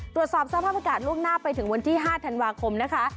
ตรวจสอบสภาพอากาศล่วงหน้าไปถึงวันที่๕ธันวาคมนะคะ